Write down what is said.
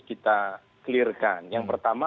kita clear kan yang pertama